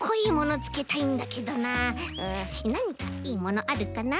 うんなにかいいものあるかな。